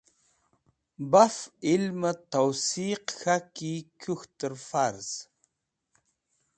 Baf ilmẽ tawsiq k̃haki kũk̃htẽr farz.